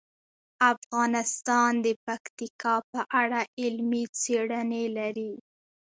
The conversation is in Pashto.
افغانستان د پکتیکا په اړه علمي څېړنې لري.